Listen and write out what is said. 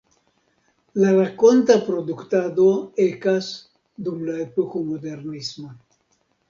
La rakonta produktado ekas dum la epoko modernisma.